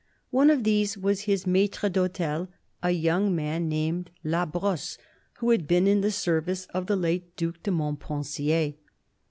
One of these was his maitre dhoiel, a young man named La Brosse, who had been in the service of the late Due de Montpensier.